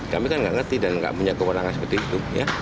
kami kan tidak mengerti dan tidak punya kekurangan seperti itu